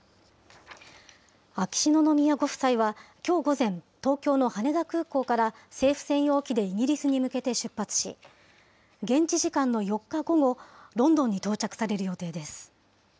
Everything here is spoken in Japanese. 秋篠宮ご夫妻はきょう午前、東京の羽田空港から、政府専用機でイギリスに向けて出発し、現地時間の４日午後、ロンドンに到着される予定です。